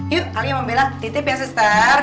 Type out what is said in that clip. yuk ali sama bella titip ya suster